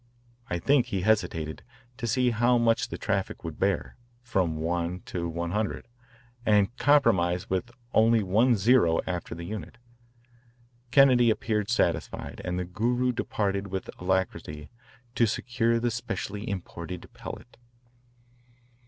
I think he hesitated, to see how much the traffic would bear, from one to one hundred, and compromised with only one zero after the unit. Kennedy appeared satisfied, and the Guru departed with alacrity to secure the specially imported pellet.